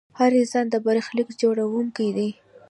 هر انسان د برخلیک جوړونکی دی.